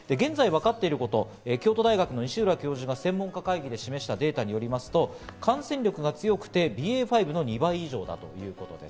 現在分かっていること、京都大学の西浦教授が示したデータによりますと、感染力が強くてＢＡ．５の２倍以上ということです。